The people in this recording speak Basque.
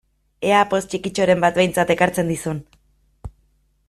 Ea poz txikitxoren bat behintzat ekartzen dizun!